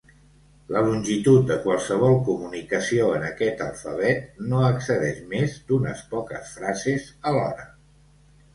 La longitud de qualsevol comunicació en aquest alfabet, no excedeix més d'unes poques frases alhora.